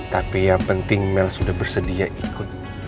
tapi yang penting mel sudah bersedia ikut